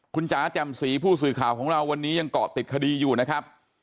คุณจ๋าแจ่มสีผู้สื่อข่าวของเราวันนี้ยังเกาะติดคดีอยู่นะครับ